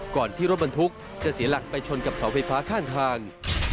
ก่อนที่รถบรรทุกจะเสียหลักไปชนกับเสาไฟฟ้าข้างทาง